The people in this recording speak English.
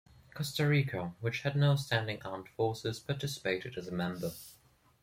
Costa Rica, which had no standing armed forces, participated as a member.